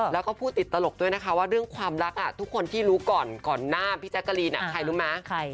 แล้วก็พูดติดตลกด้วยนะคะว่าเรื่องความรักทุกคนที่รู้ก่อนก่อนหน้าพี่แจ๊กกะลีนใครรู้ไหม